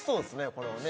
これはね